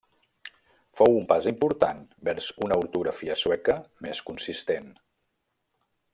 Fou un pas important vers una ortografia sueca més consistent.